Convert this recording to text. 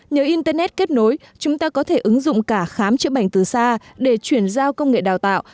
nhờ internet kết nối chúng ta có thể ứng dụng cả khám chữa bệnh từ xa để chuyển giao công nghệ đào tạo